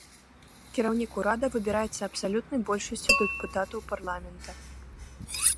Кіраўнік урада выбіраецца абсалютнай большасцю дэпутатаў парламента.